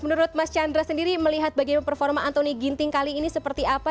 menurut mas chandra sendiri melihat bagaimana performa antoni ginting kali ini seperti apa